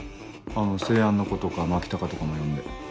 「生安」の子とか牧高とかも呼んで。